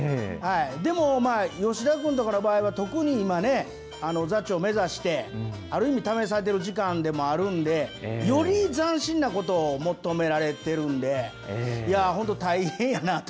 でも吉田君とかの場合は、特に今ね、座長目指して、ある意味、試されている時間でもあるんで、より斬新なことを求められてるんで、いやぁ、本当大変やなと。